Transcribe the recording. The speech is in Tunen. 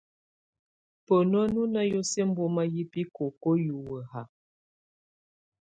Benu nɔ na yəsuə ɛmbɔma yɛ bikoko hiwə ha.